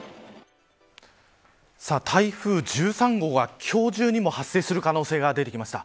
さあ、台風１３号が今日中にも発生する可能性が出てきました。